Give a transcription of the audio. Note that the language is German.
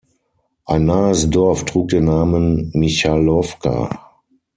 Ein nahes Dorf trug den Namen "Michailowka.